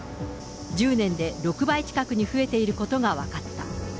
１０年で６倍近くに増えていることが分かった。